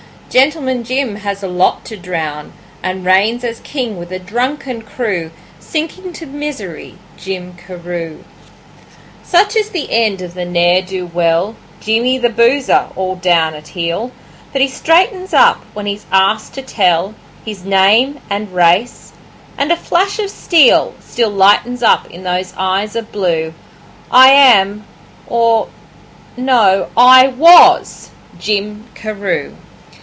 Gentleman Jim has a lot to drown, And he reigns as king with a drunken crew, Sinking to misery, Jim Carew. Such is the end of the ne'er do well Jimmy the Boozer, all down at heel; But he straightens up when he's asked to tell His name and race, and a flash of steel Still lightens up in those eyes of blue 'I am, or no, I WAS Jim Carew.'